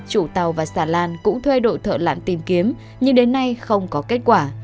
chủ tàu và xà lan cũng thuê đội thợ lặn tìm kiếm nhưng đến nay không có kết quả